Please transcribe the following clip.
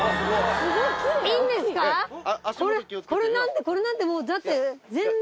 これこれなんてもうだって全然。